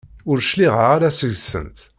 Ur cliɛeɣ ara seg-sent.